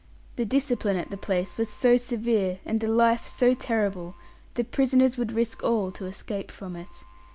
The discipline at the place was so severe, and the life so terrible, that prisoners would risk all to escape from it.